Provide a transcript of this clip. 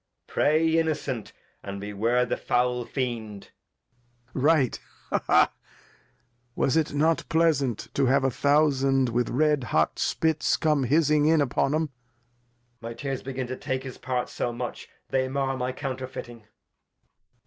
Pray, Innocent, and beware the foul Fiend. Lear. Right, ha! ha! Was it not Pleasant to have a Thousand with red hot Spits come hizzing in upon 'em. Act III] King Lear 215 Edg. My Tears begin to take his Part so much They marr my Counterfeiting.